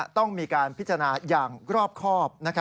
ต้องมีการพิจารณาอย่างรอบครอบ